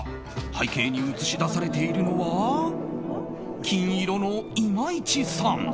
背景に映し出されているのは金色の今市さん。